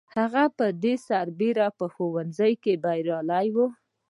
هغه پر دې سربېره په ښوونځي کې بریالی و